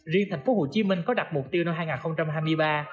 riêng tp hcm có đặt mục tiêu năm hai nghìn hai mươi ba